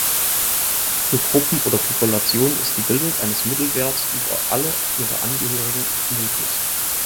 Für Gruppen oder Populationen ist die Bildung eines Mittelwertes über alle ihre Angehörigen möglich.